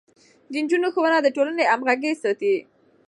د نجونو ښوونه د ټولنې همغږي ساتي.